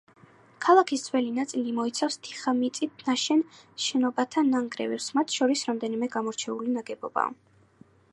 ქალაქის ძველი ნაწილი მოიცავს თიხამიწით ნაშენ შენობათა ნანგრევებს, მათ შორის რამდენიმე გამორჩეული ნაგებობაა.